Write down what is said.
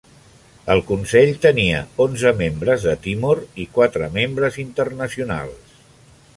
El consell tenia onze membres de Timor i quatre membres internacionals.